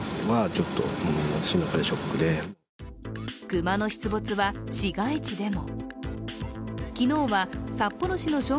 熊の出没は市街地でも。